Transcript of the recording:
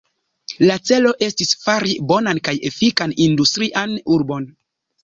La celo estis fari bonan kaj efikan industrian urbon.